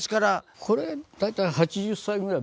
これ大体８０歳ぐらい。